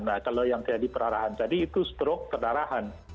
nah kalau yang terjadi pendarahan tadi itu struk pendarahan